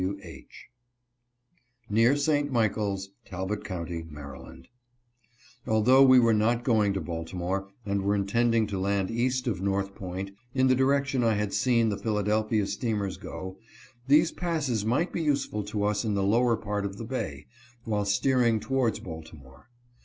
w. h. Near St. Michaels, Talbot Co., Md." Although we were not going to Baltimore, and were intending to land east of North Point, in the direction I had seen the Philadelphia steamers go, these passes might be useful to us in the lower part of the bay, while steering towards Baltimore.